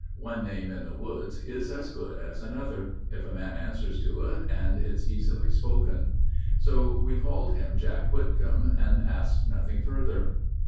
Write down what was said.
One name in the woods is as good as another If a man answers to it and it's easily spoken. So we called him Jack Whitcomb and asked nothing further.